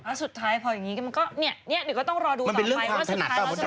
แล้วสุดท้ายพออย่างนี้มันก็เนี่ยหรือก็ต้องรอดูต่อไปมันเป็นเรื่องความถนัดหรือเปล่า